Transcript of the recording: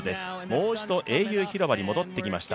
もう一度、英雄広場に戻ってきました。